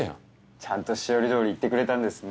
ちゃんとしおりどおり行ってくれたんですね。